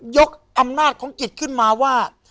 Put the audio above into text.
ยกอำนาจของกิจขึ้นมาว่า